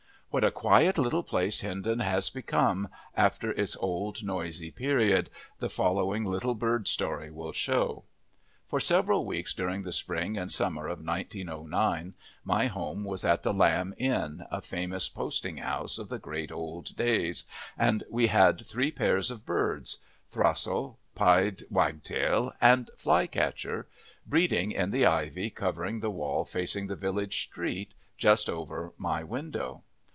What a quiet little place Hindon has become, after its old noisy period, the following little bird story will show. For several weeks during the spring and summer of 1909 my home was at the Lamb Inn, a famous posting house of the great old days, and we had three pairs of birds throstle, pied wagtail, and flycatcher breeding in the ivy covering the wall facing the village street, just over my window.